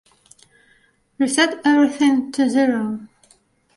Reset everything to zero.